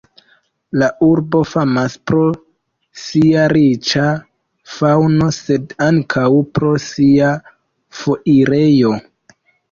La urbo famas pro sia riĉa faŭno, sed ankaŭ pro sia foirejo.